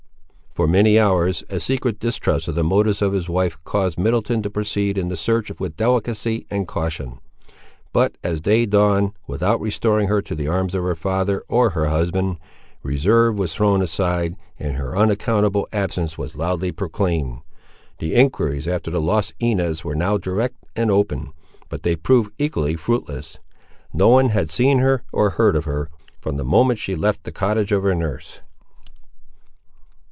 For many hours, a secret distrust of the motives of his wife caused Middleton to proceed in the search with delicacy and caution. But as day dawned, without restoring her to the arms of her father or her husband, reserve was thrown aside, and her unaccountable absence was loudly proclaimed. The enquiries after the lost Inez were now direct and open; but they proved equally fruitless. No one had seen her, or heard of her, from the moment that she left the cottage of her nurse.